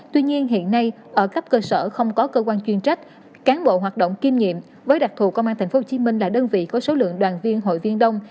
tuy nhiên hiện nay ở các cơ sở không có cơ quan chuyên trách cán bộ hoạt động kim nhiệm với đặc thù công an thành phố hồ chí minh là đơn vị có số lượng đoàn viên hội viên đông